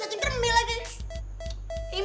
jangan jangan yang telpon cacik kremi lagi